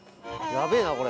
やべぇなこれ。